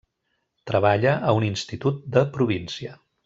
Treballa a un institut de província.